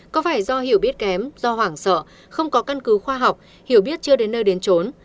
có phải do hiểu biết kém do hoảng sợ không có căn cứ khoa học hiểu biết chưa đến nơi đến trốn